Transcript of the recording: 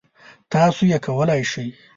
تاسو یې کولای شی.